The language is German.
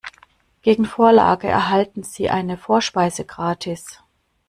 Gegen Vorlage erhalten Sie eine Vorspeise gratis.